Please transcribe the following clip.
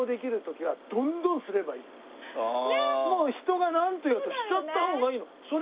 もう人がなんと言おうとしちゃった方がいいの。